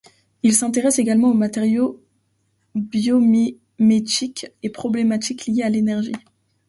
Il s'intéresse également aux matériaux biomimétiques et problématiques liées à l'énergie.